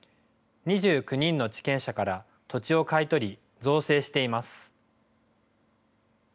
２９人の地権者から土地を買い取り、造成しています。